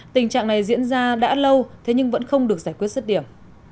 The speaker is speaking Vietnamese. tình trạng này diễn ra đã lâu thế nhưng vẫn không được giải quyết xuất điểm